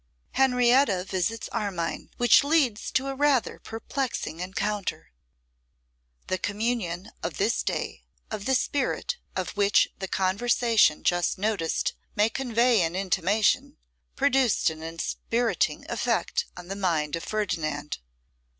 Henrietta Visits Armine, Which Leads to a Rather Perplexing Encounter. THE communion of this day, of the spirit of which the conversation just noticed may convey an intimation, produced an inspiriting effect on the mind of Ferdinand.